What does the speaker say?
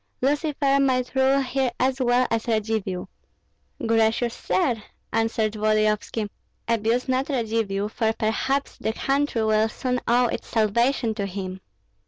Lucifer might rule here as well as Radzivill." "Gracious sir," answered Volodyovski, "abuse not Radzivill, for perhaps the country will soon owe its salvation to him."